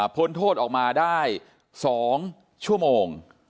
พ้นโทษออกมาได้๒ชั่วโมง